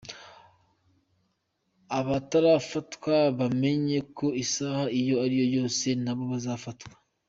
Abatarafatwa bamenye ko isaha iyo ari yo yose na bo bazafatwa."